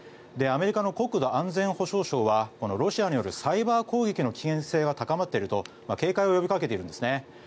アメリカの国土安全保障省はロシアによるサイバー攻撃の危険性が高まっていると警戒を呼びかけているんですね。